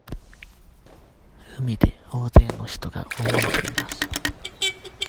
海で大勢の人が泳いでいます。